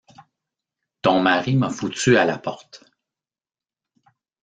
Ton mari m'a foutu à la porte.